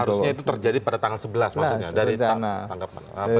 harusnya itu terjadi pada tanggal sebelas maksudnya dari tanggapan